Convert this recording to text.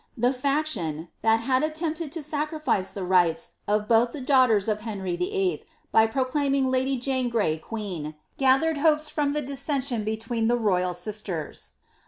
The faction, that had attempted to sacrifice the rights of both the daughters of Henry VII I. by proclaiming lady Jane Gray queen, gathered hopes from the dissen sion between the royal sisters.